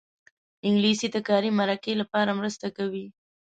انګلیسي د کاري مرکې لپاره مرسته کوي